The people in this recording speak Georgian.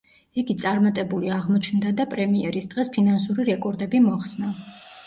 იგი წარმატებული აღმოჩნდა და პრემიერის დღეს ფინანსური რეკორდები მოხსნა.